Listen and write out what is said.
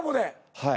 はい。